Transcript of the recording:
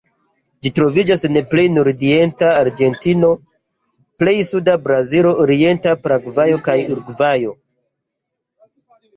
Ĝi troviĝas en plej nordorienta Argentino, plej suda Brazilo, orienta Paragvajo kaj Urugvajo.